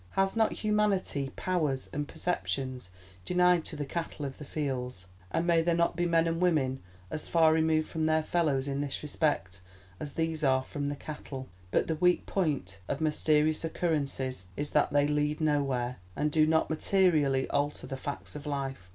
Has not humanity powers and perceptions denied to the cattle of the fields, and may there not be men and women as far removed from their fellows in this respect as these are from the cattle? But the weak point of mysterious occurrences is that they lead nowhere, and do not materially alter the facts of life.